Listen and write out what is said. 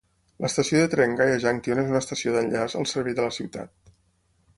L'estació de tren Gaya Junction és una estació d'enllaç al servei de la ciutat.